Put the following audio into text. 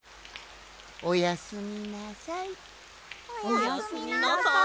おやすみなさい。